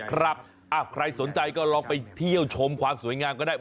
ใครสนใจก็ลองไปเที่ยวชมความสวยงามก็ได้